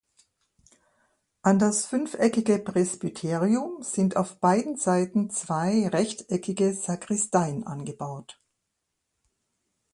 An das fünfeckige Presbyterium sind auf beiden Seiten zwei rechteckige Sakristeien angebaut.